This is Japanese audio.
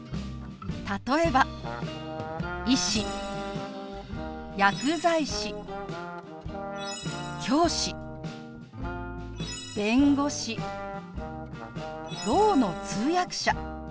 例えば「医師」「薬剤師」「教師」「弁護士」「ろうの通訳者」